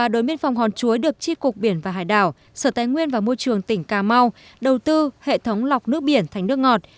ba đồn biên phòng hòn chuối được tri cục biển và hải đảo sở tài nguyên và môi trường tỉnh cà mau đầu tư hệ thống lọc nước biển thành nước ngọt